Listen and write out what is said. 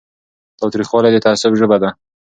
تاوتریخوالی د تعصب ژبه ده